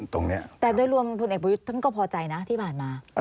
แต่โดยรวมฐเอกบุริยุทธิ์ท่านก็พอใจนะที่ผ่านมา